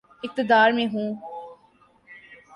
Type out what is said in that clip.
اقتدار میں ہوں۔